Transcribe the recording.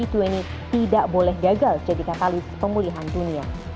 tidak boleh gagal jadi katalis pemulihan dunia